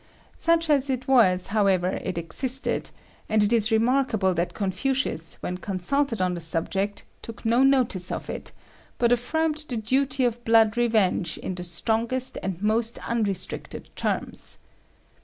Such as it was, however, it existed, and it is remarkable that Confucius, when consulted on the subject, took no notice of it, but affirmed the duty of blood revenge in the strongest and most unrestricted terms.